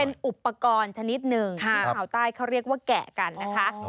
เป็นอุปกรณ์ชนิดหนึ่งที่ชาวใต้เขาเรียกว่าแกะกันนะคะ